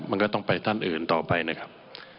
มันก็ต้องไปท่านอื่นต่อไปนะครับ